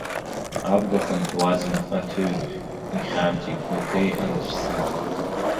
Абга хынҳәуазма аҭыҩрахь, ихьамҵит Гәаҭеи анацәца.